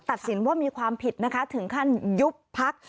ตัดสินว่ามีความผิดนะคะถึงขั้นยุบพัก